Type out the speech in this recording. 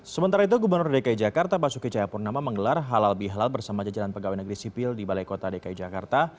sementara itu gubernur dki jakarta basuki cahayapurnama menggelar halal bihalal bersama jajaran pegawai negeri sipil di balai kota dki jakarta